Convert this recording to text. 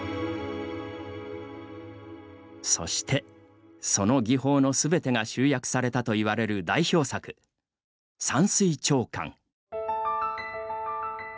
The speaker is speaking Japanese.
そして、その技法のすべてが集約されたといわれる代表作「山水長巻」。